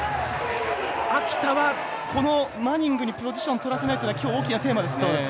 秋田はマニングにポジションとらせないというのがきょう大きなテーマですね。